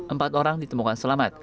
empat orang ditemukan selamat